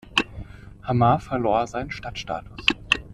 Hamar verlor seinen Stadtstatus.